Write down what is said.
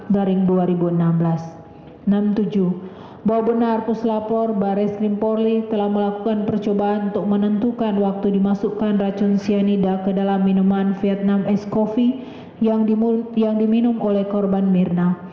bahwa benar puslapor baris krim polri telah melakukan percobaan untuk menentukan waktu dimasukkan racun cyanida ke dalam minuman vietnam ice coffee yang diminum oleh korban mirna